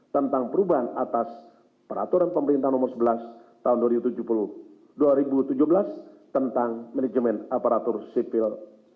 tentang perubahan atas peraturan pemerintah nomor sebelas tahun dua ribu tujuh belas tentang manajemen aparatur sipil